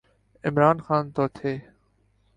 عمران خان تو تھے۔